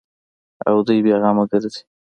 او دوى بې غمه گرځي.